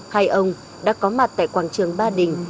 hai ông đã có mặt tại quảng trường ba đình